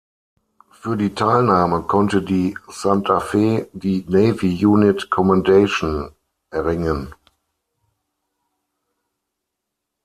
Für die Teilnahme konnte die "Santa Fe" die Navy Unit Commendation erringen.